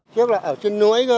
trước là ở trên núi cơ